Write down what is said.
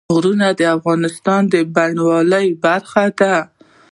غرونه د افغانستان د بڼوالۍ برخه ده.